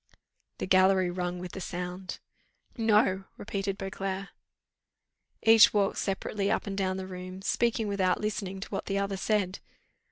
The gallery rung with the sound. "No!" repeated Beauclerc. Each walked separately up and down the room, speaking without listening to what the other said.